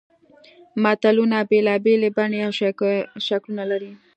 متلونه بېلابېلې بڼې او شکلونه لري